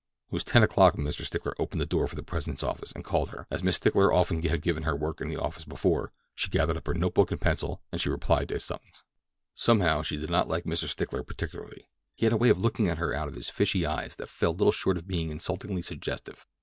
It was ten o'clock when Mr. Stickler opened the door from the president's office and called her. As Mr. Stickler often had given her work in this office before, she gathered up her note book and pencil as she replied to his summons. Somehow she did not like Mr. Stickler particularly. He had a way of looking at her out of his fishy eyes that fell little short of being insultingly suggestive.